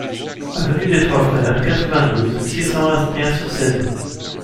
Avenue des Trois Frères, quatre-vingt-douze, six cents Asnières-sur-Seine